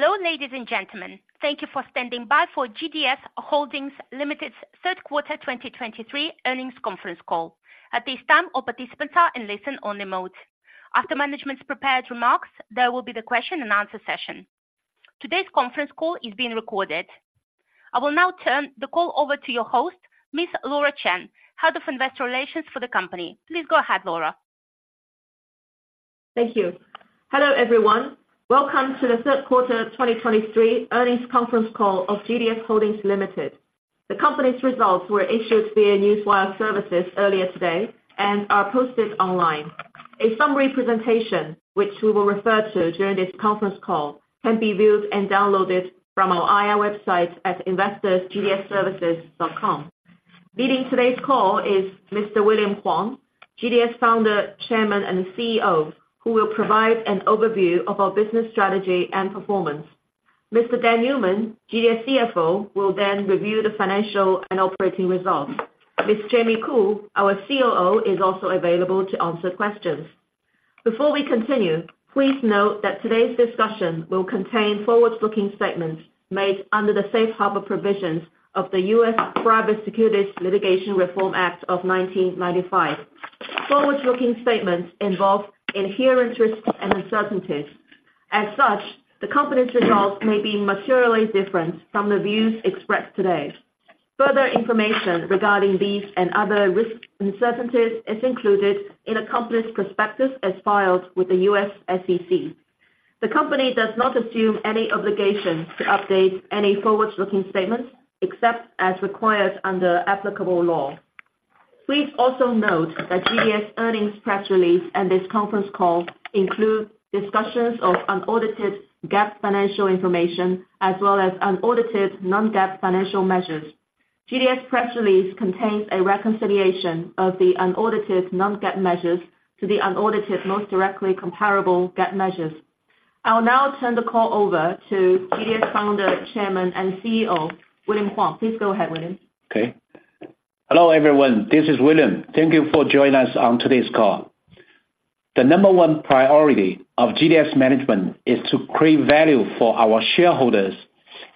Hello, ladies and gentlemen. Thank you for standing by for GDS Holdings Limited's Third Quarter 2023 Earnings Conference Call. At this time, all participants are in listen only mode. After management's prepared remarks, there will be the question and answer session. Today's conference call is being recorded. I will now turn the call over to your host, Miss Laura Chen, Head of Investor Relations for the company. Please go ahead, Laura. Thank you. Hello, everyone. Welcome to the Third Quarter 2023 Earnings Conference Call of GDS Holdings Limited. The company's results were issued via Newswire Services earlier today and are posted online. A summary presentation, which we will refer to during this conference call, can be viewed and downloaded from our IR website at investors.gds-services.com. Leading today's call is Mr. William Huang, GDS Founder, Chairman, and CEO, who will provide an overview of our business strategy and performance. Mr. Dan Newman, GDS CFO, will then review the financial and operating results. Ms. Jamie Khoo, our COO, is also available to answer questions. Before we continue, please note that today's discussion will contain forward-looking statements made under the Safe Harbor provisions of the U.S. Private Securities Litigation Reform Act of 1995. Forward-looking statements involve inherent risks and uncertainties. As such, the company's results may be materially different from the views expressed today. Further information regarding these and other risk uncertainties is included in the company's prospectus as filed with the U.S. SEC. The company does not assume any obligation to update any forward-looking statements, except as required under applicable law. Please also note that GDS earnings press release and this conference call include discussions of unaudited GAAP financial information, as well as unaudited non-GAAP financial measures. GDS press release contains a reconciliation of the unaudited non-GAAP measures to the unaudited most directly comparable GAAP measures. I'll now turn the call over to GDS Founder, Chairman, and CEO, William Huang. Please go ahead, William. Okay. Hello, everyone. This is William. Thank you for joining us on today's call. The number one priority of GDS management is to create value for our shareholders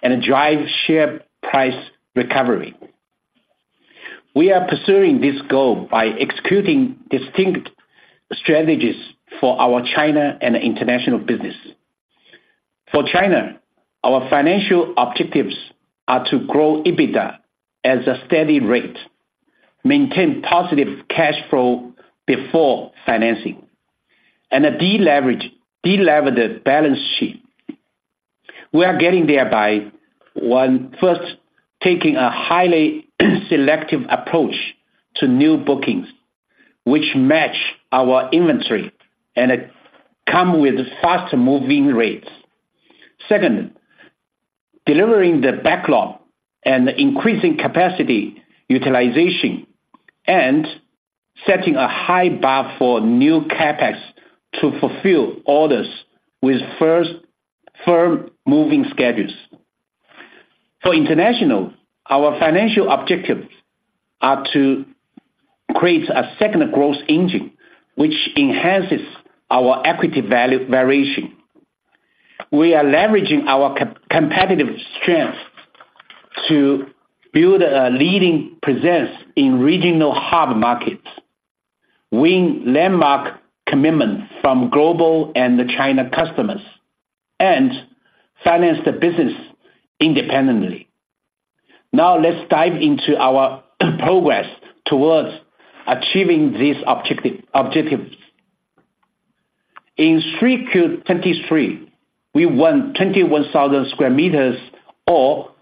and drive share price recovery. We are pursuing this goal by executing distinct strategies for our China and international business. For China, our financial objectives are to grow EBITDA at a steady rate, maintain positive cash flow before financing, and a deleverage, delever the balance sheet. We are getting there by, one, first, taking a highly selective approach to new bookings, which match our inventory and come with fast-moving rates. Second, delivering the backlog and increasing capacity, utilization, and setting a high bar for new CapEx to fulfill orders with first firm moving schedules. For international, our financial objectives are to create a second growth engine, which enhances our equity value valuation. We are leveraging our competitive strengths to build a leading presence in regional hub markets, win landmark commitments from global and the China customers, and finance the business independently. Now, let's dive into our progress towards achieving these objectives. In Q3 2023, we won 21,000 square meters or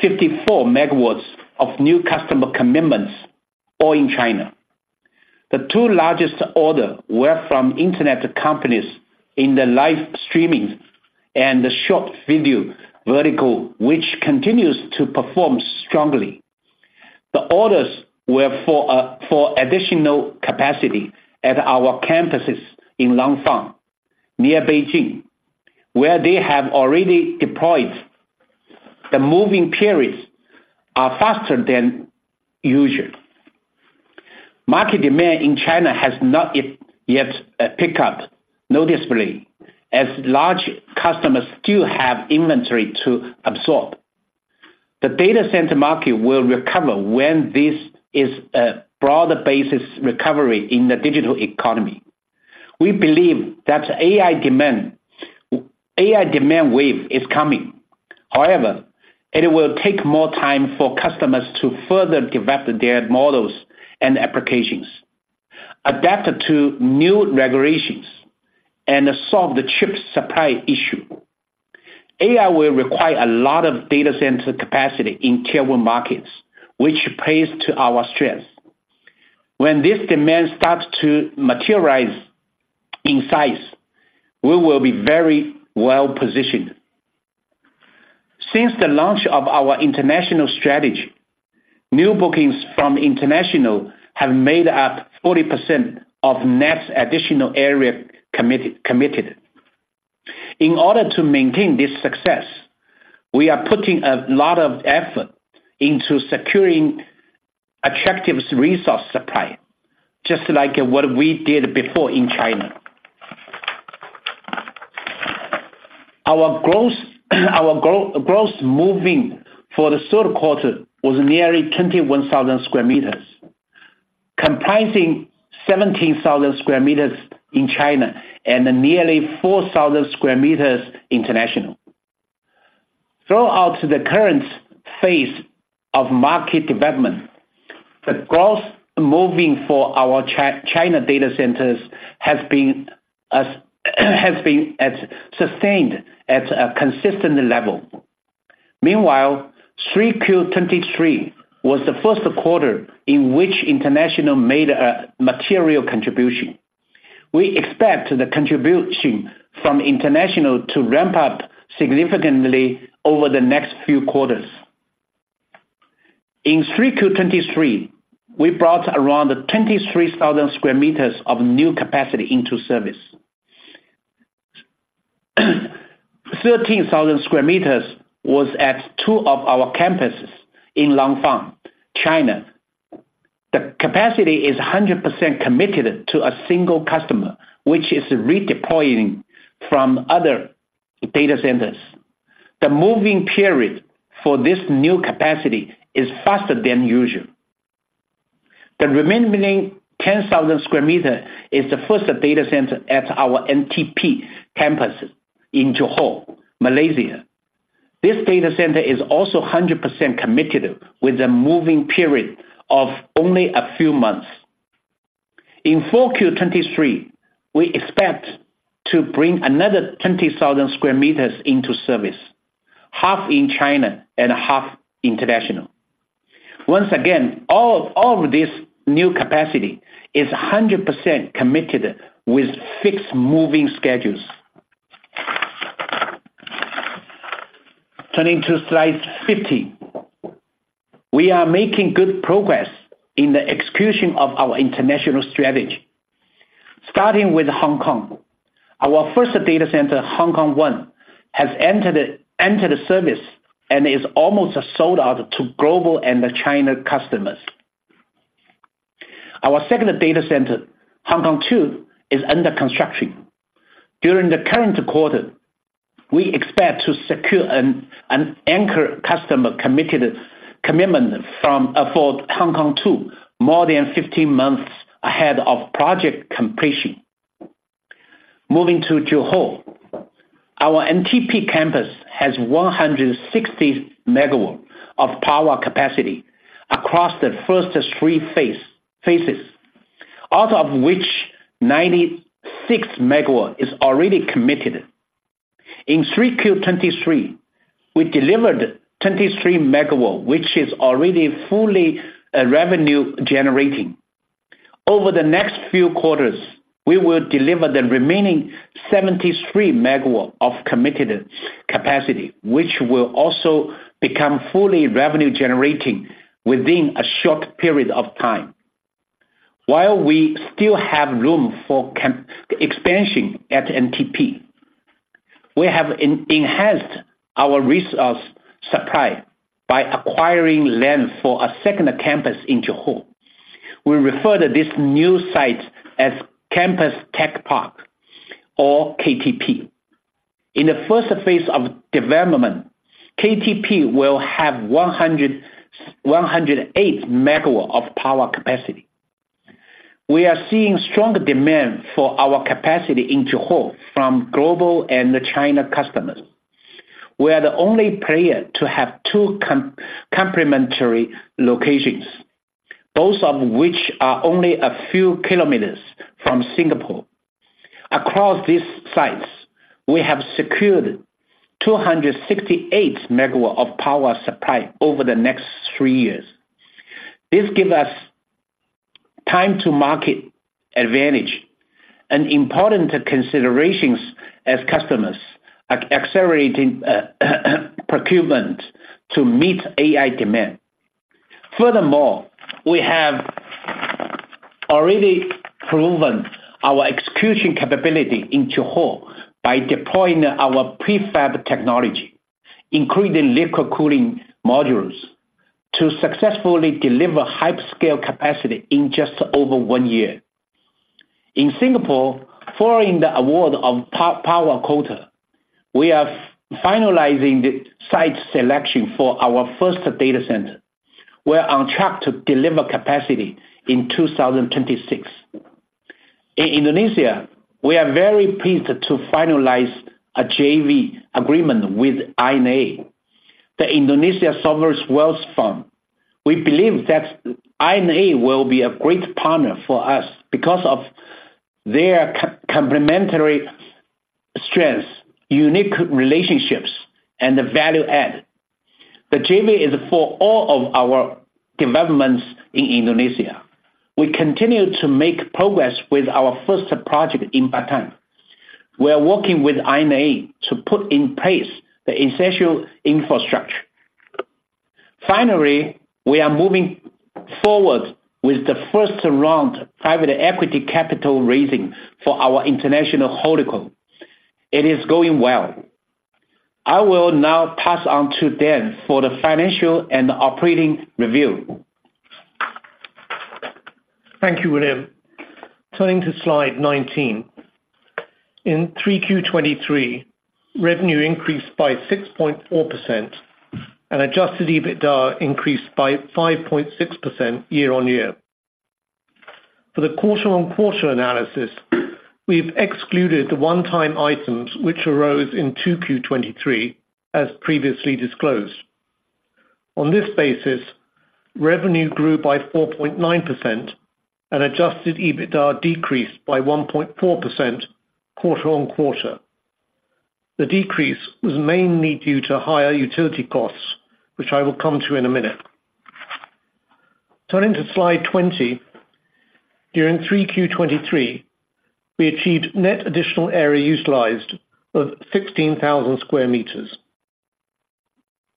54 MW of new customer commitments, all in China. The two largest orders were from internet companies in the live streaming and the short video vertical, which continues to perform strongly. The orders were for additional capacity at our campuses in Langfang, near Beijing, where they have already deployed. The moving periods are faster than usual. Market demand in China has not yet picked up noticeably, as large customers still have inventory to absorb. The data center market will recover when there is a broader-based recovery in the digital economy. We believe that AI demand, AI demand wave is coming. However, it will take more time for customers to further develop their models and applications, adapt to new regulations, and solve the chip supply issue. AI will require a lot of data center capacity in Tier One markets, which plays to our strengths. When this demand starts to materialize in size, we will be very well-positioned. Since the launch of our international strategy, new bookings from international have made up 40% of net additional area committed, committed. In order to maintain this success. We are putting a lot of effort into securing attractive resource supply, just like what we did before in China. Our gross, our gross move-in for the third quarter was nearly 21,000 square meters, comprising 17,000 square meters in China and nearly 4,000 square meters international. Throughout the current phase of market development, the gross move-in for our China data centers has been sustained at a consistent level. Meanwhile, 3Q 2023 was the first quarter in which international made a material contribution. We expect the contribution from international to ramp up significantly over the next few quarters. In 3Q 2023, we brought around 23,000 square meters of new capacity into service. 13,000 square meters was at two of our campuses in Langfang, China. The capacity is 100% committed to a single customer, which is redeploying from other data centers. The move-in period for this new capacity is faster than usual. The remaining 10,000 square meters is the first data center at our NTP campus in Johor, Malaysia. This data center is also 100% committed, with a move-in period of only a few months. In 4Q 2023, we expect to bring another 20,000 square meters into service, half in China and half international. Once again, all of this new capacity is 100% committed with fixed move-in schedules. Turning to slide 15. We are making good progress in the execution of our international strategy. Starting with Hong Kong, our first data center, Hong Kong One, has entered service and is almost sold out to global and China customers. Our second data center, Hong Kong Two, is under construction. During the current quarter, we expect to secure an anchor customer commitment for Hong Kong Two, more than 15 months ahead of project completion. Moving to Johor. Our NTP campus has 160 MW of power capacity across the first three phases, out of which 96 MW is already committed. In 3Q 2023, we delivered 23 MW, which is already fully revenue generating. Over the next few quarters, we will deliver the remaining 73 MW of committed capacity, which will also become fully revenue generating within a short period of time. While we still have room for campus expansion at NTP, we have enhanced our resource supply by acquiring land for a second campus in Johor. We refer to this new site as Kempas Tech Park or KTP. In the first phase of development, KTP will have 108 MW of power capacity. We are seeing strong demand for our capacity in Johor from global and China customers. We are the only player to have two complementary locations, both of which are only a few kilometers from Singapore. Across these sites, we have secured 268 MW of power supply over the next three years. This gives us time to market advantage and important considerations as customers are accelerating procurement to meet AI demand. Furthermore, we have already proven our execution capability in Johor by deploying our prefab technology, including liquid cooling modules, to successfully deliver hyperscale capacity in just over one year. In Singapore, following the award of power quota, we are finalizing the site selection for our first data center. We're on track to deliver capacity in 2026. In Indonesia, we are very pleased to finalize a JV agreement with INA, the Indonesia Sovereign Wealth Fund. We believe that INA will be a great partner for us because of their complementary strengths, unique relationships, and value add. The JV is for all of our developments in Indonesia. We continue to make progress with our first project in Batam. We are working with INA to put in place the essential infrastructure.... Finally, we are moving forward with the first round private equity capital raising for our international holdco. It is going well. I will now pass on to Dan for the financial and operating review. Thank you, William. Turning to slide 19. In 3Q 2023, revenue increased by 6.4%, and adjusted EBITDA increased by 5.6% year-on-year. For the quarter-on-quarter analysis, we've excluded the one-time items which arose in 2Q 2023, as previously disclosed. On this basis, revenue grew by 4.9% and adjusted EBITDA decreased by 1.4% quarter-on-quarter. The decrease was mainly due to higher utility costs, which I will come to in a minute. Turning to slide 20. During 3Q 2023, we achieved net additional area utilized of 16,000 square meters.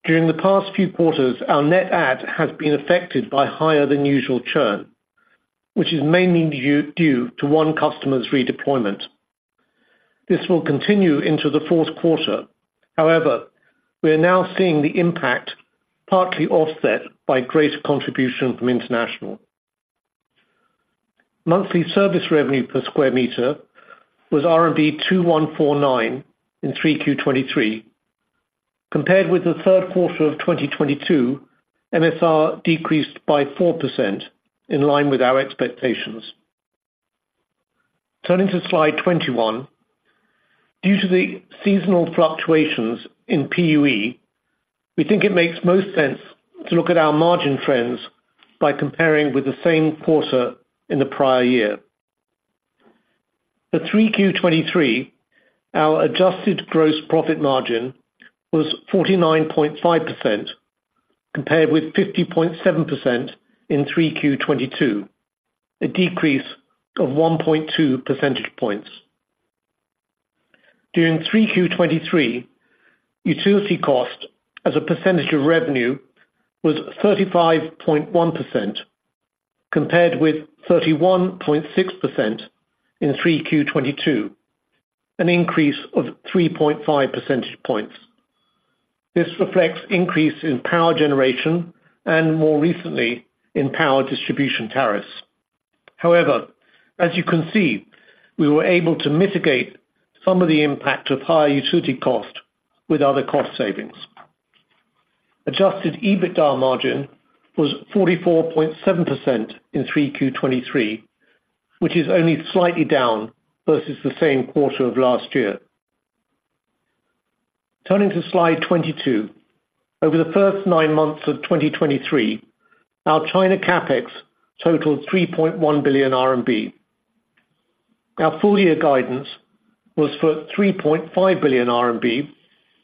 During the past few quarters, our net add has been affected by higher than usual churn, which is mainly due to one customer's redeployment. This will continue into the fourth quarter. However, we are now seeing the impact partly offset by greater contribution from international. Monthly service revenue per square meter was RMB 2,149 in 3Q 2023. Compared with the third quarter of 2022, MSR decreased by 4% in line with our expectations. Turning to slide 21. Due to the seasonal fluctuations in PUE, we think it makes most sense to look at our margin trends by comparing with the same quarter in the prior year. For 3Q 2023, our adjusted gross profit margin was 49.5%, compared with 50.7% in 3Q 2022, a decrease of 1.2 percentage points. During 3Q 2023, utility cost as a percentage of revenue was 35.1%, compared with 31.6% in 3Q 2022, an increase of 3.5 percentage points. This reflects increase in power generation and more recently in power distribution tariffs. However, as you can see, we were able to mitigate some of the impact of higher utility cost with other cost savings. Adjusted EBITDA margin was 44.7% in 3Q 2023, which is only slightly down versus the same quarter of last year. Turning to slide 22. Over the first nine months of 2023, our China CapEx totaled 3.1 billion RMB. Our full year guidance was for 3.5 billion RMB,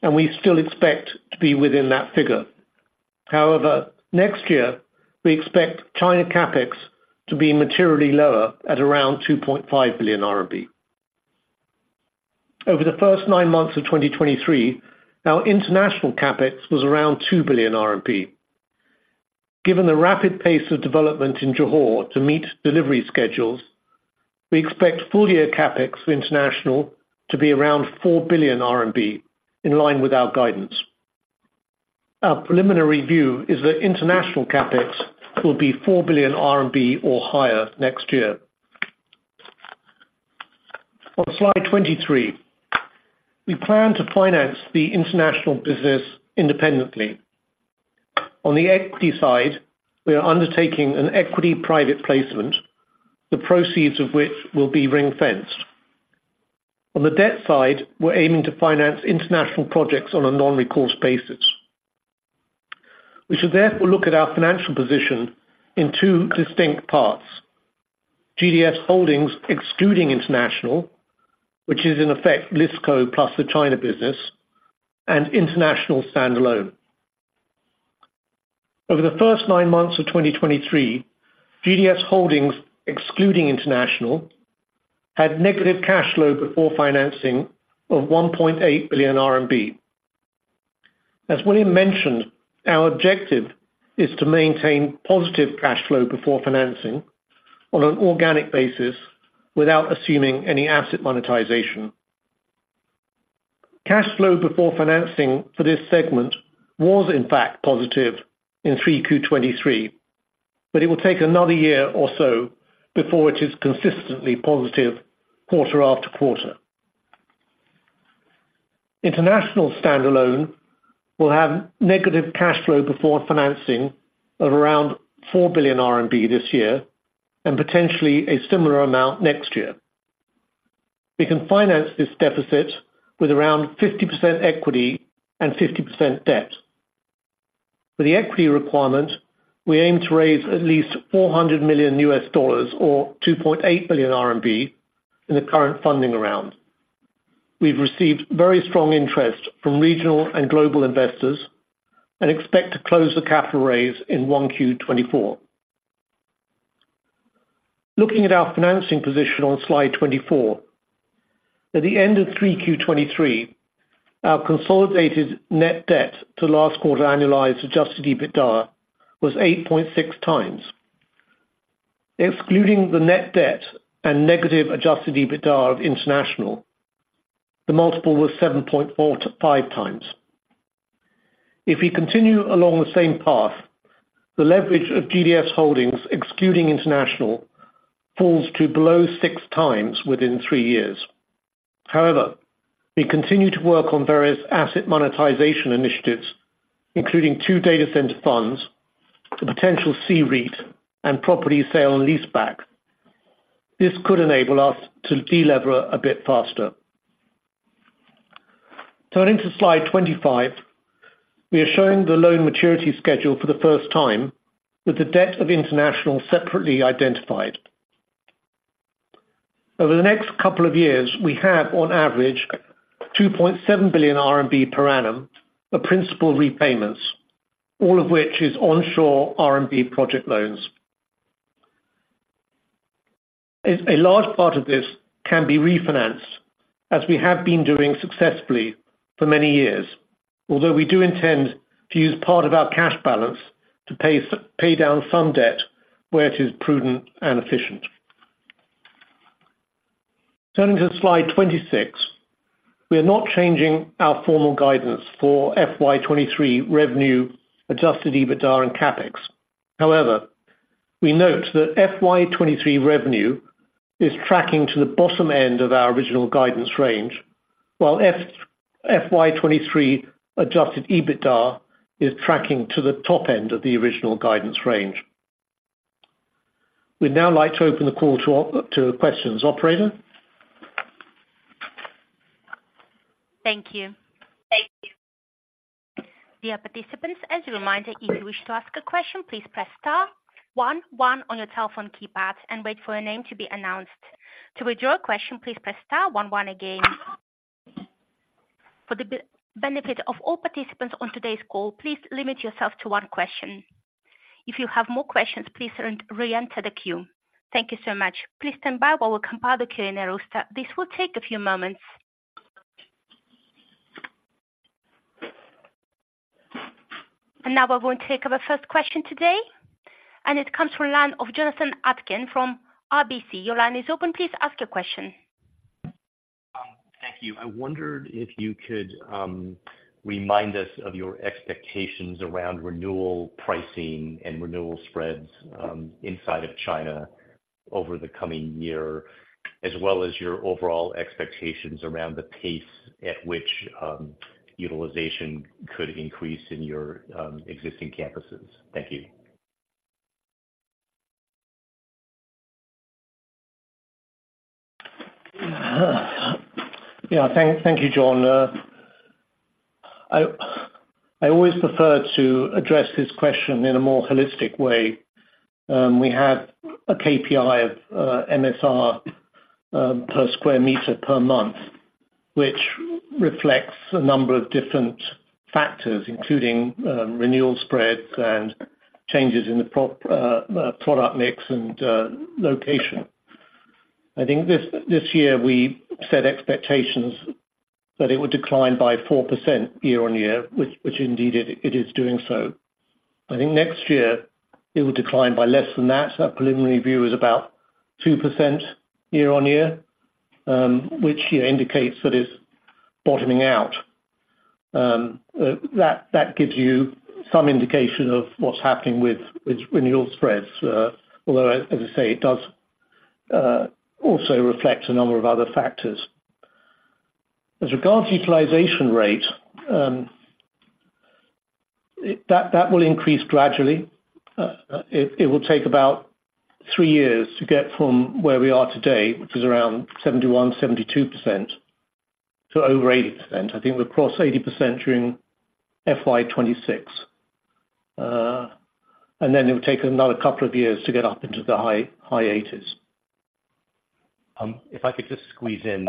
and we still expect to be within that figure. However, next year, we expect China CapEx to be materially lower at around 2.5 billion RMB. Over the first nine months of 2023, our international CapEx was around 2 billion. Given the rapid pace of development in Johor to meet delivery schedules, we expect full year CapEx for international to be around 4 billion RMB, in line with our guidance. Our preliminary view is that international CapEx will be 4 billion RMB or higher next year. On slide 23, we plan to finance the international business independently. On the equity side, we are undertaking an equity private placement, the proceeds of which will be ring-fenced. On the debt side, we're aiming to finance international projects on a non-recourse basis. We should therefore look at our financial position in two distinct parts: GDS Holdings, excluding international, which is in effect, Listco plus the China business, and international standalone. Over the first nine months of 2023, GDS Holdings, excluding international, had negative cash flow before financing of 1.8 billion RMB. As William mentioned, our objective is to maintain positive cash flow before financing on an organic basis without assuming any asset monetization. Cash flow before financing for this segment was in fact positive in 3Q 2023, but it will take another year or so before it is consistently positive quarter after quarter. International standalone will have negative cash flow before financing of around 4 billion RMB this year and potentially a similar amount next year. We can finance this deficit with around 50% equity and 50% debt. For the equity requirement, we aim to raise at least $400 million or 2.8 billion RMB in the current funding round. We've received very strong interest from regional and global investors and expect to close the capital raise in 1Q 2024.... Looking at our financing position on slide 24. At the end of 3Q23, our consolidated net debt to last quarter annualized adjusted EBITDA was 8.6x. Excluding the net debt and negative adjusted EBITDA of international, the multiple was 7.4-5x. If we continue along the same path, the leverage of GDS Holdings, excluding international, falls to below 6x within 3 years. However, we continue to work on various asset monetization initiatives, including two data center funds, the potential C-REIT and property sale leaseback. This could enable us to delever a bit faster. Turning to slide 25, we are showing the loan maturity schedule for the first time, with the debt of international separately identified. Over the next couple of years, we have, on average, 2.7 billion RMB per annum, the principal repayments, all of which is onshore RMB project loans. A large part of this can be refinanced, as we have been doing successfully for many years. Although we do intend to use part of our cash balance to pay down some debt where it is prudent and efficient. Turning to slide 26, we are not changing our formal guidance for FY 2023 revenue, adjusted EBITDA and CapEx. However, we note that FY 2023 revenue is tracking to the bottom end of our original guidance range, while FY 2023 adjusted EBITDA is tracking to the top end of the original guidance range. We'd now like to open the call to all, to questions. Operator? Thank you. Thank you. Dear participants, as a reminder, if you wish to ask a question, please press star one one on your telephone keypad and wait for your name to be announced. To withdraw your question, please press star one one again. For the benefit of all participants on today's call, please limit yourself to one question. If you have more questions, please reenter the queue. Thank you so much. Please stand by while we compile the queue in a roster. This will take a few moments. Now we're going to take our first question today, and it comes from the line of Jonathan Atkin from RBC. Your line is open. Please ask your question. Thank you. I wondered if you could remind us of your expectations around renewal pricing and renewal spreads inside of China over the coming year, as well as your overall expectations around the pace at which utilization could increase in your existing campuses. Thank you. Yeah, thank you, John. I always prefer to address this question in a more holistic way. We have a KPI of MSR per square meter per month, which reflects a number of different factors, including renewal spreads and changes in the product mix and location. I think this year we set expectations that it would decline by 4% year-on-year, which indeed it is doing so. I think next year it will decline by less than that. Our preliminary view is about 2% year-on-year, which indicates that it's bottoming out. That gives you some indication of what's happening with renewal spreads, although, as I say, it does also reflect a number of other factors. As regards utilization rate, it... That will increase gradually. It will take about three years to get from where we are today, which is around 71%-72%, to over 80%. I think we'll cross 80% during FY 2026. And then it will take another couple of years to get up into the high 80s. If I could just squeeze in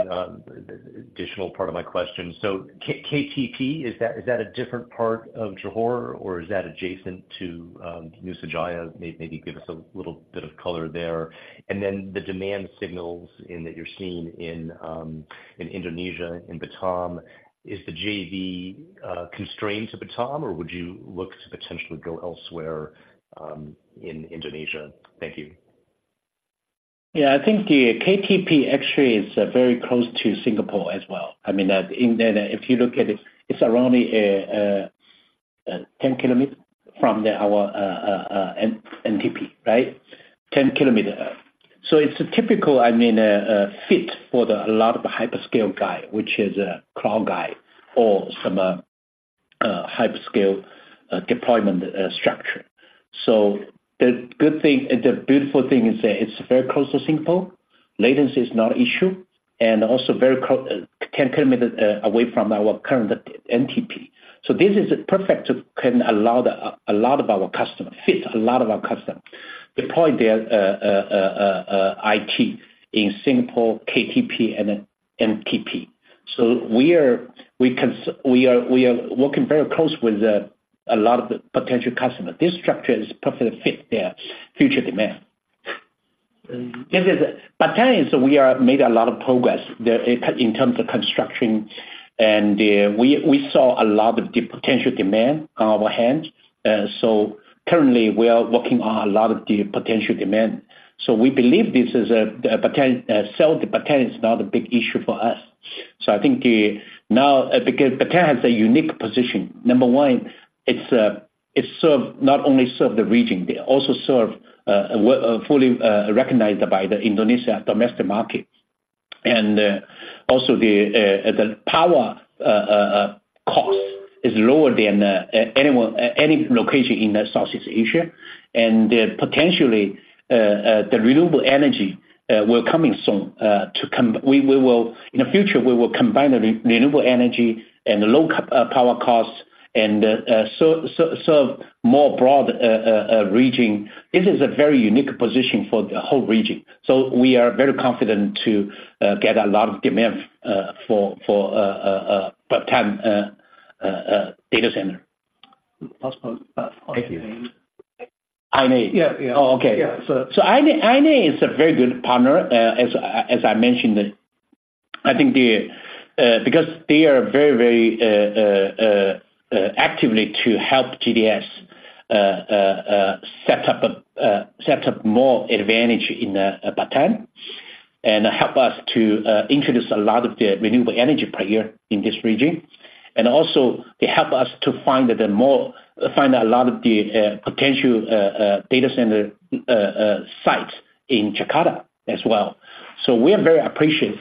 additional part of my question. So KTP, is that a different part of Johor, or is that adjacent to Nusajaya? Maybe give us a little bit of color there. And then the demand signals in that you're seeing in Indonesia, in Batam, is the JV constrained to Batam, or would you look to potentially go elsewhere in Indonesia? Thank you. Yeah, I think the KTP actually is very close to Singapore as well. I mean, in there, if you look at it, it's around 10 kilometers from our NTP, right? 10 kilometers. So it's a typical, I mean, fit for a lot of the hyperscale guy, which is a cloud guy or some hyperscale deployment structure. So the good thing, the beautiful thing is that it's very close to Singapore, latency is not an issue, and also very close, 10 kilometers away from our current NTP. So this is perfect to can allow a lot of our customers, fit a lot of our customers deploy their IT in Singapore, KTP, and NTP. So we are, we cons- we are, we are working very close with the-... A lot of the potential customers. This structure is perfect fit for their future demand. This is Batam, so we have made a lot of progress there in terms of construction, and we saw a lot of the potential demand on our hands. So currently we are working on a lot of the potential demand. So we believe this is a sell to Batam is not a big issue for us. So I think because Batam has a unique position. Number one, it's it serves, not only serves the region, they also serve fully recognized by the Indonesian domestic market. And also the power cost is lower than any location in Southeast Asia. Potentially, the renewable energy will coming soon to come—we will, in the future, we will combine the renewable energy and the low power costs and serve more broad region. This is a very unique position for the whole region, so we are very confident to get a lot of demand for Batam data center. Last one. Thank you. INA. Yeah, yeah. Oh, okay. Yeah, so- So INA, INA is a very good partner, as I mentioned. I think because they are very, very actively to help GDS set up more advantage in Batam, and help us to introduce a lot of the renewable energy player in this region. And also they help us to find more, find a lot of the potential data center site in Jakarta as well. So we are very appreciative.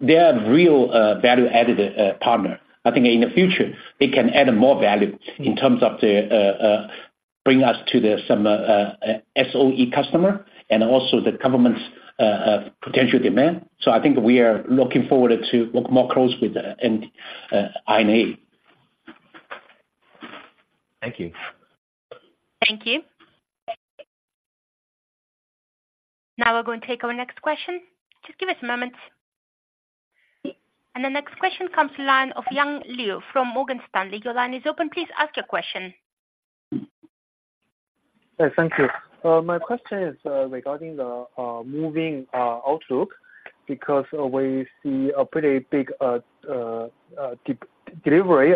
They are real value-added partner. I think in the future, they can add more value in terms of bring us to some SOE customer, and also the government's potential demand. So I think we are looking forward to look more close with, and INA. Thank you. Thank you. Now we're going to take our next question. Just give us a moment. And the next question comes from the line of Yang Liu from Morgan Stanley. Your line is open. Please ask your question. Hi, thank you. My question is regarding the moving outlook, because we see a pretty big delivery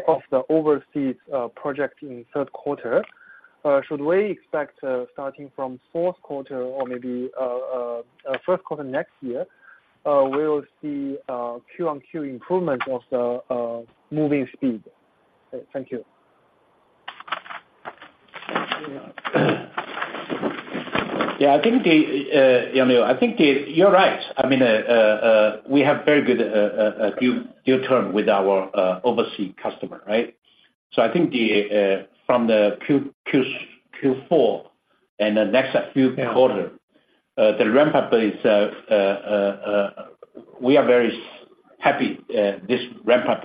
of the overseas project in third quarter. Should we expect, starting from fourth quarter or maybe first quarter next year, we'll see Q on Q improvement of the moving speed? Thank you. Yeah, I think the, Yang Liu, I think the—you're right. I mean, we have very good deal term with our overseas customer, right? So I think the, from the Q4 and the next few quarter- Yeah. The ramp up is, we are very happy, this ramp up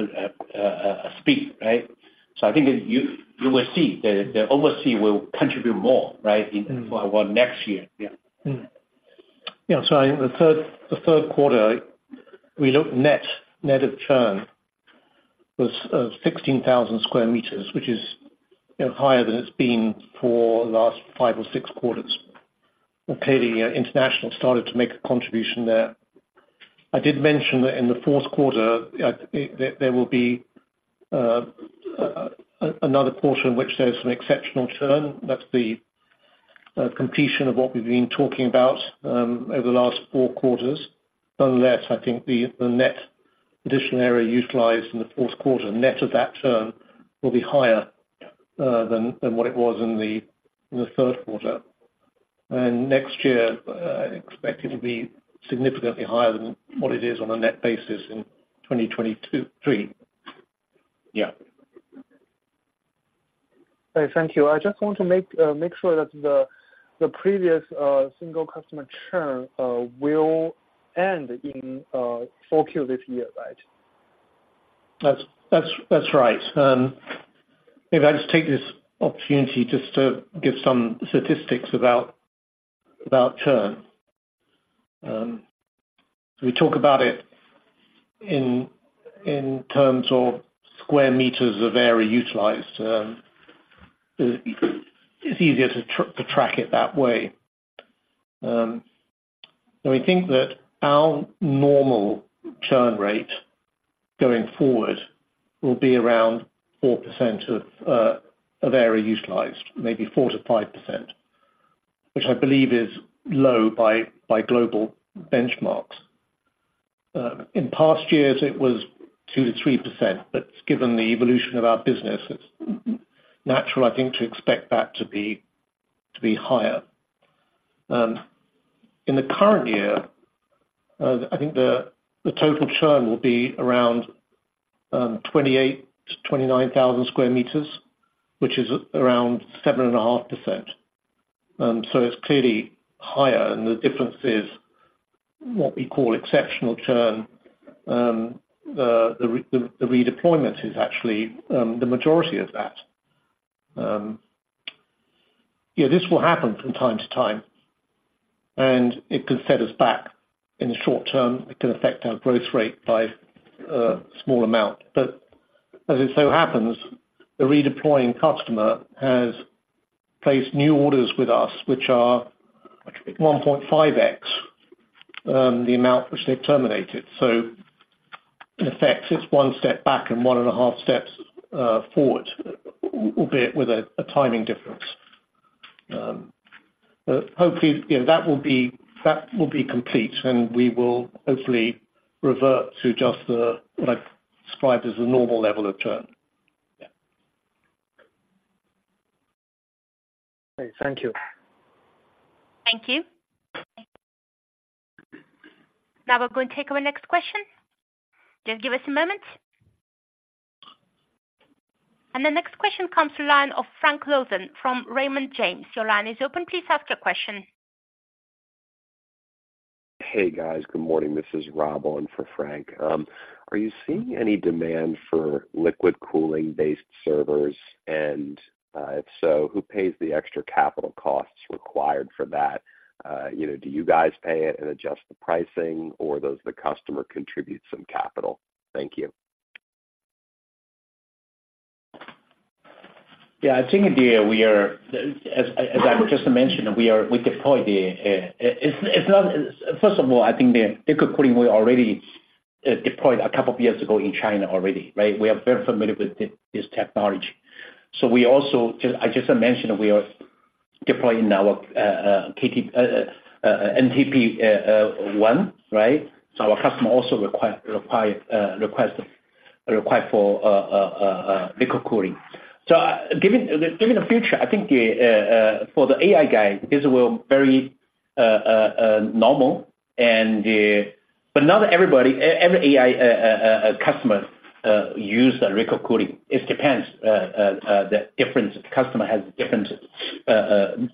speed, right? So I think you will see the overseas will contribute more, right? Mm-hmm. In for our next year. Yeah. Mm-hmm. Yeah, so I think the third, the third quarter, we look net, net of churn was sixteen thousand square meters, which is, you know, higher than it's been for the last five or six quarters. Clearly, international started to make a contribution there. I did mention that in the fourth quarter, there will be another portion in which there's some exceptional churn. That's the completion of what we've been talking about over the last four quarters. Nonetheless, I think the net additional area utilized in the fourth quarter, net of that churn, will be higher than what it was in the third quarter. And next year, expect it to be significantly higher than what it is on a net basis in 2022, 2023. Yeah. Thank you. I just want to make sure that the previous single customer churn will end in 4Q this year, right? That's right. Maybe I'll just take this opportunity to give some statistics about churn. We talk about it in terms of square meters of area utilized. It's easier to track it that way. And we think that our normal churn rate going forward will be around 4% of area utilized, maybe 4%-5%, which I believe is low by global benchmarks. In past years, it was 2%-3%, but given the evolution of our business, it's natural, I think, to expect that to be higher. In the current year, I think the total churn will be around 28,000-29,000 square meters, which is around 7.5%. So it's clearly higher, and the difference is what we call exceptional churn. The redeployment is actually the majority of that. Yeah, this will happen from time to time, and it can set us back in the short term. It can affect our growth rate by small amount. But as it so happens, the redeploying customer has placed new orders with us, which are 1.5x the amount which they've terminated. So in effect, it's one step back and 1.5 steps forward, albeit with a timing difference. But hopefully, you know, that will be complete, and we will hopefully revert to just what I described as a normal level of churn. Yeah. Okay, thank you. Thank you. Now we're going to take our next question. Just give us a moment. The next question comes to the line of Frank Louthan from Raymond James. Your line is open. Please ask your question. Hey, guys. Good morning. This is Rob on for Frank. Are you seeing any demand for liquid cooling-based servers? And, if so, who pays the extra capital costs required for that? You know, do you guys pay it and adjust the pricing, or does the customer contribute some capital? Thank you. Yeah, I think we are, as I just mentioned, we deployed the liquid cooling already a couple of years ago in China already, right? We are very familiar with this technology. So, as I just mentioned, we are deploying now KTP, NTP one, right? So our customer also require liquid cooling. So given the future, I think for the AI guy, this will very normal. But not everybody, every AI customer use the liquid cooling. It depends, the different customer has different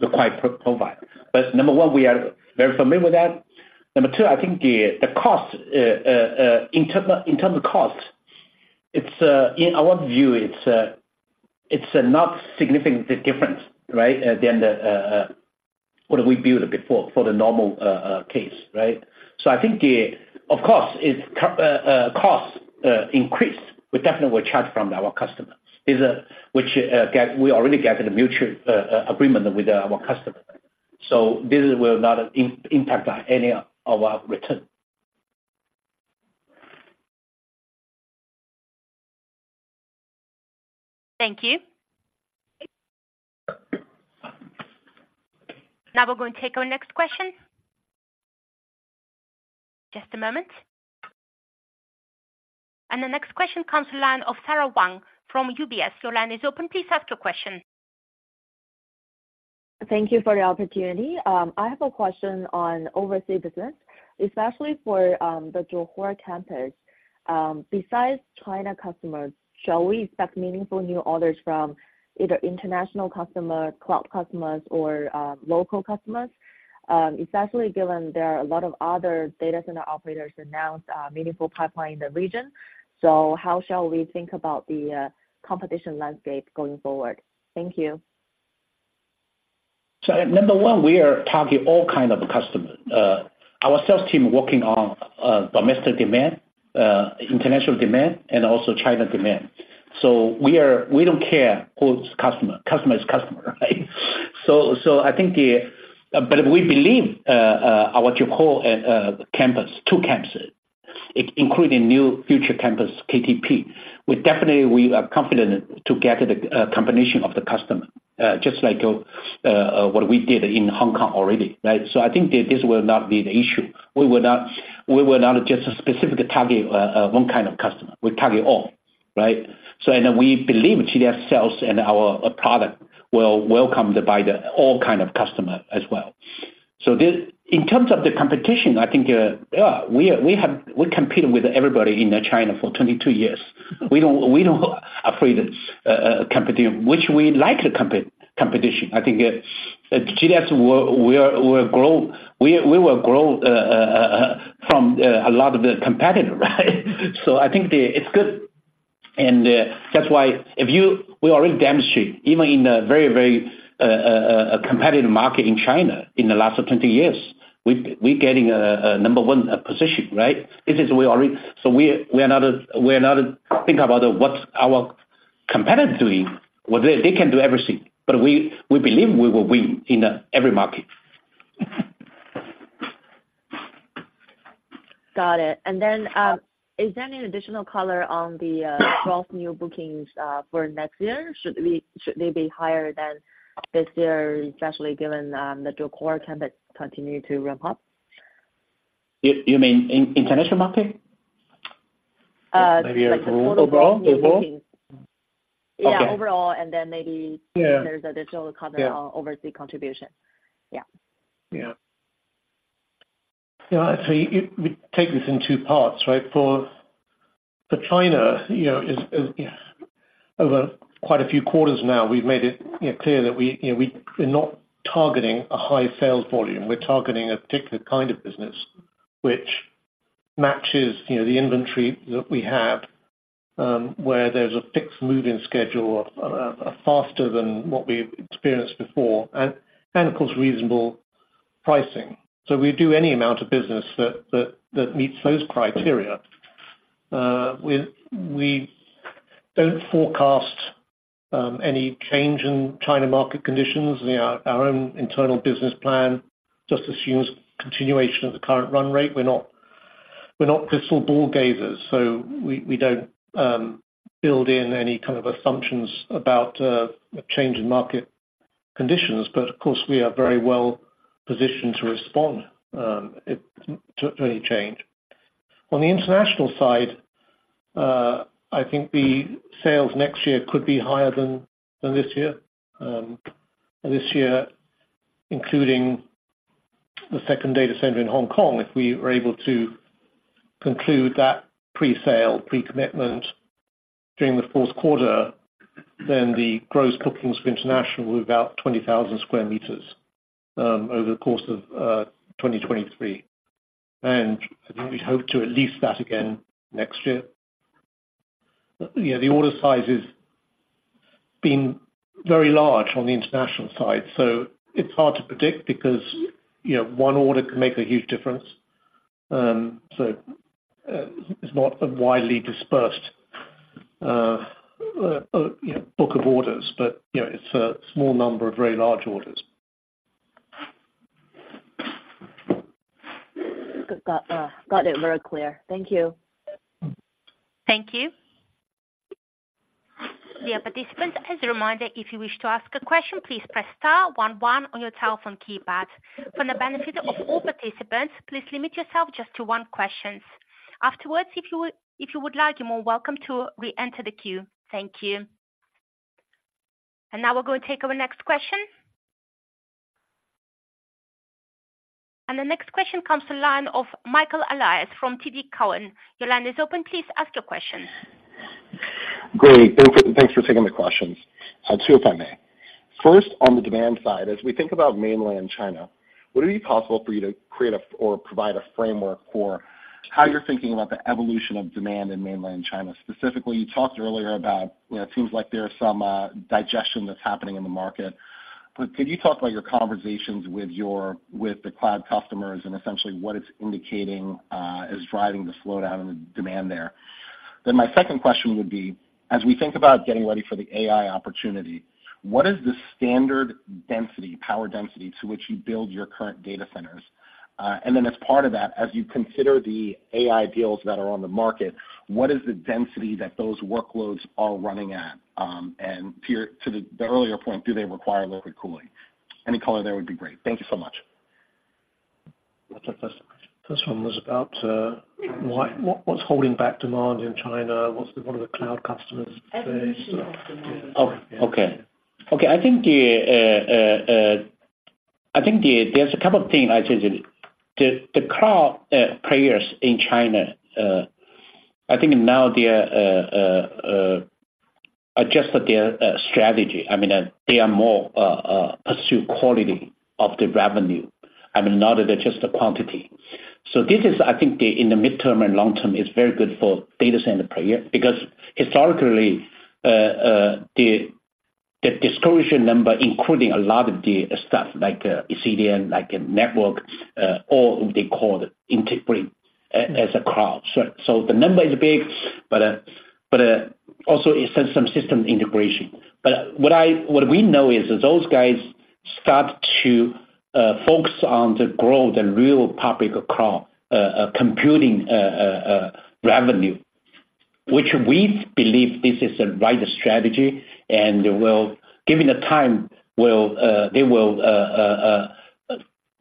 require profile. But number one, we are very familiar with that. Number two, I think the cost, in terms of cost, it's in our view, it's not significantly different, right? Than what we built before for the normal case, right? So I think the... Of course, it's costs increase, we definitely will charge from our customers, which we already get a mutual agreement with our customers. So this will not impact any of our return. Thank you. Now we're going to take our next question. Just a moment. The next question comes to the line of Sara Wang from UBS. Your line is open. Please ask your question. Thank you for the opportunity. I have a question on overseas business, especially for the Johor campus. Besides China customers, shall we expect meaningful new orders from either international customer, cloud customers, or local customers? Especially given there are a lot of other data center operators announced meaningful pipeline in the region. So how shall we think about the competition landscape going forward? Thank you. So number one, we are target all kind of customers. Our sales team working on, domestic demand, international demand, and also China demand. So we are - we don't care who's customer. Customer is customer, right? So, so I think the, but we believe, our Johor, campus, two campuses, including new future campus, KTP, we definitely we are confident to get the, combination of the customer, just like, what we did in Hong Kong already, right? So I think this will not be the issue. We will not, we will not just specifically target, one kind of customer. We target all, right? So and we believe GDS sales and our product will welcomed by the all kind of customer as well. So the... In terms of the competition, I think, we have competed with everybody in China for 22 years. We don't afraid competing, which we like the competition. I think, GDS, we will grow from a lot of the competitor, right? So I think it's good. And that's why we already demonstrate, even in a very, very competitive market in China in the last 20 years, we've, we're getting a number one position, right? This is we already. So we are not think about what's our competitor doing. Well, they can do everything, but we believe we will win in every market. Got it. And then, is there any additional color on the, twelve new bookings, for next year? Should we- should they be higher than this year, especially given, the Johor campus continue to ramp up? You mean in international market? Like the overall- Overall, overall. Yeah, overall, and then maybe- Yeah. - there's additional color- Yeah. on overseas contribution. Yeah. Yeah. Yeah, so we take this in two parts, right? For China, you know, over quite a few quarters now, we've made it, you know, clear that we, you know, we're not targeting a high sales volume. We're targeting a particular kind of business which matches, you know, the inventory that we have, where there's a fixed move-in schedule faster than what we've experienced before, and of course, reasonable pricing. So we do any amount of business that meets those criteria. We don't forecast any change in China market conditions. Our own internal business plan just assumes continuation of the current run rate. We're not crystal ball gazers, so we don't build in any kind of assumptions about a change in market conditions. But of course, we are very well positioned to respond to any change. On the international side, I think the sales next year could be higher than this year. This year, including the second data center in Hong Kong, if we are able to conclude that presale, pre-commitment during the fourth quarter, then the gross bookings for international were about 20,000 square meters over the course of 2023. And I think we hope to at least that again next year. Yeah, the order size has been very large on the international side, so it's hard to predict because, you know, one order can make a huge difference. So it's not a widely dispersed, you know, book of orders, but, you know, it's a small number of very large orders. Got, got it very clear. Thank you. Thank you. Dear participants, as a reminder, if you wish to ask a question, please press star one one on your telephone keypad. For the benefit of all participants, please limit yourself just to one question. Afterwards, if you would, if you would like, you're more welcome to re-enter the queue. Thank you. Now we're going to take our next question. The next question comes to the line of Michael Elias from TD Cowen. Your line is open. Please ask your question. Great. Thanks for, thanks for taking the questions. Two if I may. First, on the demand side, as we think about mainland China, would it be possible for you to create a, or provide a framework for how you're thinking about the evolution of demand in mainland China? Specifically, you talked earlier about, you know, it seems like there's some, digestion that's happening in the market. But could you talk about your conversations with your, with the cloud customers and essentially what it's indicating, is driving the slowdown in the demand there? Then my second question would be: as we think about getting ready for the AI opportunity, what is the standard density, power density, to which you build your current data centers? And then as part of that, as you consider the AI deals that are on the market, what is the density that those workloads are running at? And to the earlier point, do they require liquid cooling? Any color there would be great. Thank you so much. What's the first one was about, why, what, what's holding back demand in China? What's the one of the cloud customers say? Evolution of demand. Oh, okay. Okay, I think the, there's a couple of things I said. The cloud players in China, I think now they're adjusted their strategy. I mean, they are more pursue quality of the revenue. I mean, not just the quantity. So this is, I think, in the midterm and long term, is very good for data center player, because historically, the distribution number, including a lot of the stuff like, CDN, like network, or they call it integrating as a cloud. So, the number is big, but, also it has some system integration. But what we know is that those guys start to focus on the growth and real public cloud computing revenue, which we believe this is the right strategy and will, given the time, they will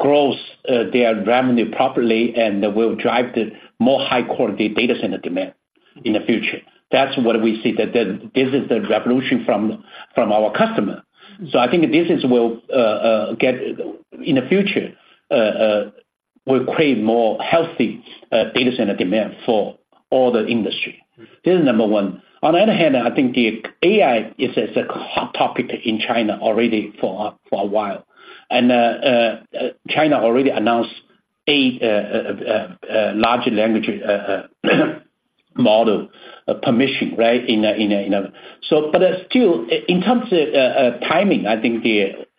grow their revenue properly and will drive the more high-quality data center demand in the future. That's what we see, that this is the revolution from our customer. So I think this will get... In the future, will create more healthy data center demand for all the industry. This is number one. On the other hand, I think the AI is a hot topic in China already for a while. And China already announced eight large language model permission, right? So but still, in terms of timing, I think,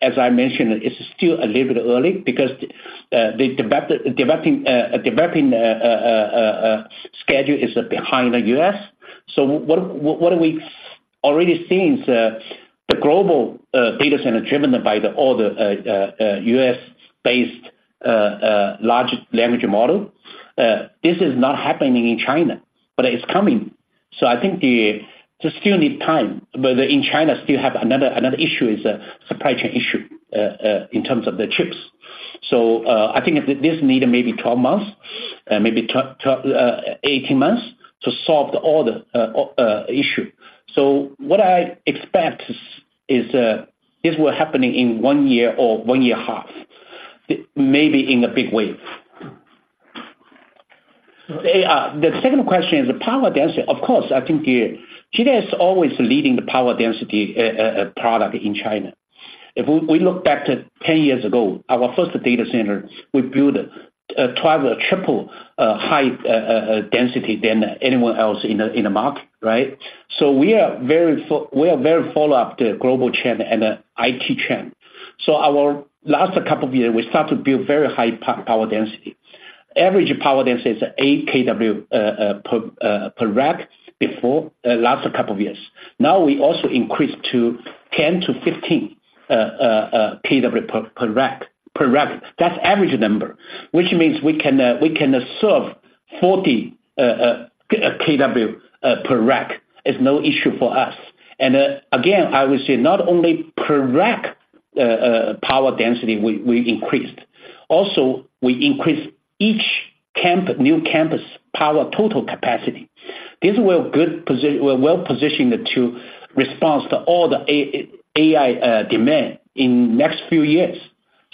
as I mentioned, it's still a little bit early because the developing schedule is behind the US. So what are we already seeing is the global data center driven by all the US-based large language model. This is not happening in China, but it's coming. So I think this still need time. But in China, still have another issue is a supply chain issue in terms of the chips. So I think this need maybe 12 months, maybe 12, 18 months to solve all the issue. So what I expect is this will happening in one year or one year half, maybe in a big wave. The second question is the power density. Of course, I think GDS is always leading the power density product in China. If we look back to 10 years ago, our first data center, we built a triple high density than anyone else in the market, right? So we are very follow up the global trend and the IT trend. So our last couple of years, we start to build very high power density. Average power density is 8 kW per rack before last couple of years. Now, we also increased to 10-15 kW per rack, per rack. That's average number, which means we can serve 40 kW per rack, is no issue for us. Again, I would say not only per rack power density we increased. Also, we increased each new campus power total capacity. We're well positioned to respond to all the AI demand in next few years.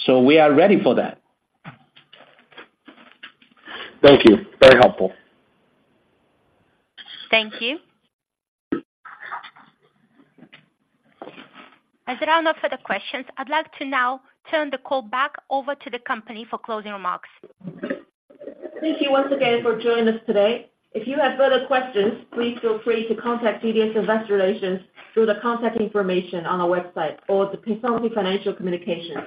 So we are ready for that. Thank you. Very helpful. Thank you. As there are no further questions, I'd like to now turn the call back over to the company for closing remarks. Thank you once again for joining us today. If you have further questions, please feel free to contact GDS Investor Relations through the contact information on our website or the Piacente Financial Communications.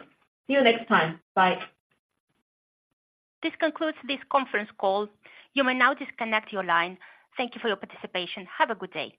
See you next time. Bye. This concludes this conference call. You may now disconnect your line. Thank you for your participation. Have a good day.